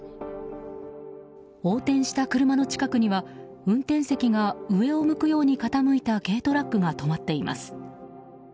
横転した車の近くには運転席が上を向くように傾いた軽トラックが止まっています。